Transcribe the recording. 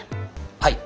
はい。